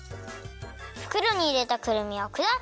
ふくろにいれたくるみをくだく！